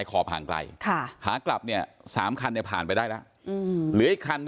ร้องไหนละคันเรียกจะไปอีก๒คัน